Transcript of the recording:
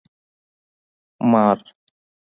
🪱 مار